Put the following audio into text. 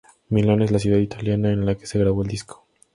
Milán es la ciudad italiana en la que se grabó el disco.